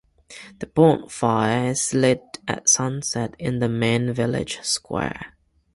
The bonfire is lit at sunset in the main village square.